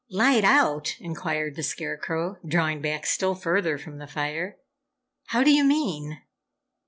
"Light out?" inquired the Scarecrow, drawing back still further from the fire. "How do you mean?"